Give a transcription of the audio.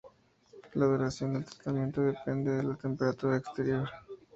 La duración del tratamiento depende de la temperatura exterior.